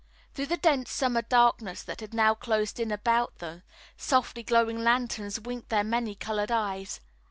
Through the dense summer darkness that had now closed in about them, softly glowing lanterns winked their many colored eyes.